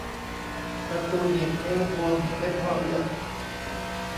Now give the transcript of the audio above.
ประตูหนีบนิ้ว บวม เล็บห้อเลือด